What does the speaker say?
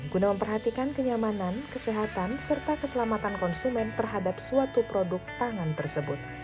guna memperhatikan kenyamanan kesehatan serta keselamatan konsumen terhadap suatu produk pangan tersebut